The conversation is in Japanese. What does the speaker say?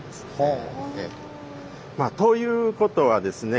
ということはですね